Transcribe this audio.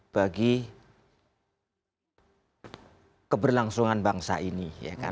bagi keberlangsungan bangsa ini